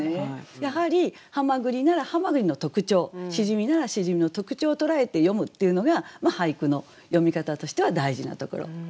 やはりはまぐりならはまぐりの特徴しじみならしじみの特徴を捉えて詠むっていうのが俳句の詠み方としては大事なところです。